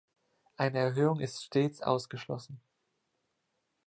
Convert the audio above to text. Eine Erhöhung ist stets ausgeschlossen.